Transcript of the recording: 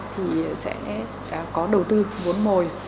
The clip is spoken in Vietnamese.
thì sẽ có đầu tư vốn mồi